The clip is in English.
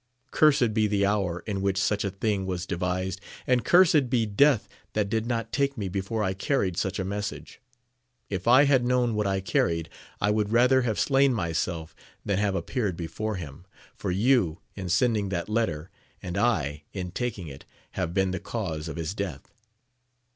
Cursed be the hour in AMADIS OF GAUL. 289 which such a thing was devised, and cursed be death that did not take me before I carried such a message : if I had known what I carried, I would rather have slain myself than have appeared before him, for you in sending that letter, and I in taking it, have been the cause of his death.